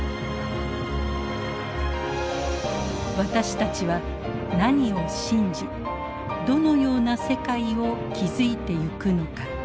私たちは何を信じどのような世界を築いていくのか。